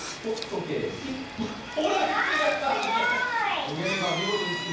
こげめがみごとにつきました。